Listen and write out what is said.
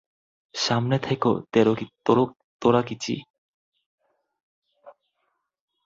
সামনে থাকো, তোরাকিচি!